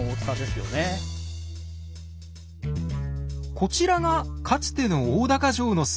こちらがかつての大高城の姿。